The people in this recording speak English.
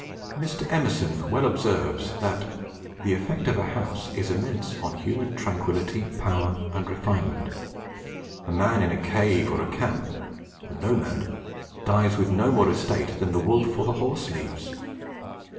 Mr. Emerson well observes, that "the effect of a house is immense on human tranquillity, power, and refinement. A man in a cave or a camp a nomad dies with no more estate than the wolf or the horse leaves.